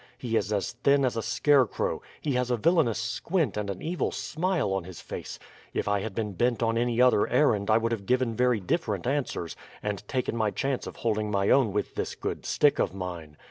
He is as thin as a scarecrow he has a villainous squint and an evil smile on his face. If I had been bent on any other errand I would have given very different answers, and taken my chance of holding my own with this good stick of mine.